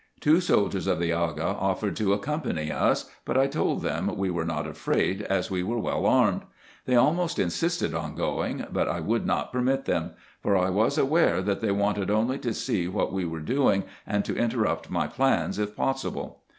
Two soldiers of the Aga offered to accompany us, but I told them we were not afraid, as we were well armed. They almost insisted on going, but I would not permit them ; for I was aware, that they wanted only to see what we were doing, and to interrupt my plans if possible.